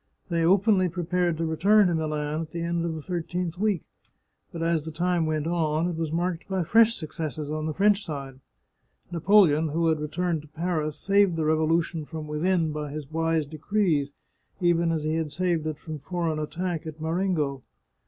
They openly pre pared to return to Milan at the end of the thirteenth week, but as time went on, it was marked by fresh successes on the French side. Napoleon, who had returned to Paris, saved the revolution from within by his wise decrees, even as he had saved it from foreign attack at Marengo.